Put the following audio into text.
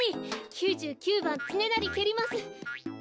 ９９ばんつねなりけります。